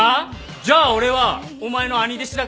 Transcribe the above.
じゃあ俺はお前の兄弟子だからな。